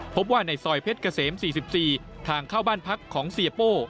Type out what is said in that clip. พบว่าในซอยเพชรเกษม๔๔ทางเข้าบ้านพักของเสียโป้